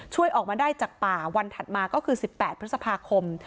ช่วยออกมาได้จากป่าวันถัดมาก็คือ๑๘พฤษภาคม